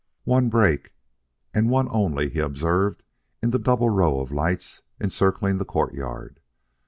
One break and one only he observed in the double row of lights encircling the courtyard.